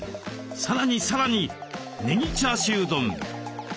さらにさらにねぎチャーシュー丼。